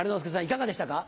いかがでしたか？